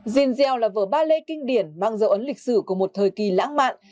jean gell là vở ballet kinh điển mang dấu ấn lịch sử của một thời kỳ lãng mạn